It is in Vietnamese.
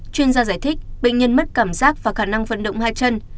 chuyên gia giải thích bệnh nhân mất cảm giác và khả năng vận động hai chân